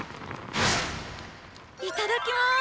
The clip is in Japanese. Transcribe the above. いただきます。